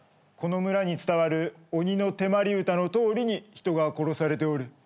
この村に伝わる鬼の手まり歌のとおりに人が殺されておる。